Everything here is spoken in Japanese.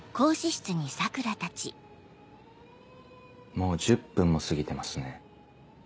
もう１０分も過ぎてますね。